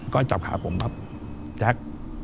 ก้อยจับขาผมแบบแจ๊ค